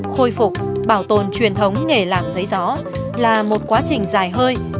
khôi phục bảo tồn truyền thống nghề làm giấy gió là một quá trình dài hơi